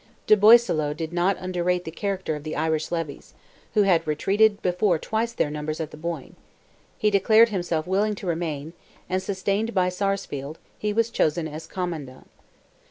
De Boisseleau did not underrate the character of the Irish levies, who had retreated before twice their numbers at the Boyne; he declared himself willing to remain, and, sustained by Sarsfield, he was chosen as commandant.